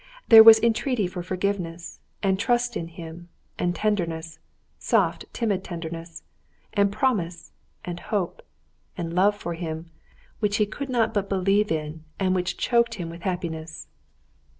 There was entreaty for forgiveness, and trust in him, and tenderness—soft, timid tenderness—and promise and hope and love for him, which he could not but believe in and which choked him with happiness.